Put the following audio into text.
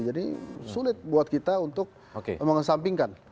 jadi sulit buat kita untuk mengesampingkan